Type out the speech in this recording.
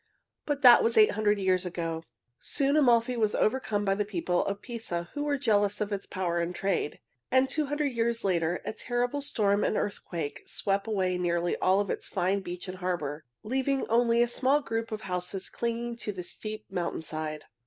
But that was eight hundred years ago. Soon Amalfi was overcome by the people of Pisa, who were jealous of its power and trade. And two hundred years later a terrible storm and earthquake swept away nearly all of its fine beach and harbor, leaving only a small group of houses clinging to the steep mountain side.